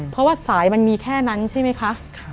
เพราะว่าสายมันมีแค่นั้นใช่ไหมคะ